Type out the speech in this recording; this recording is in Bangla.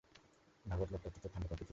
ভাগবত লোকটা অত্যন্ত ঠাণ্ডা প্রকৃতির!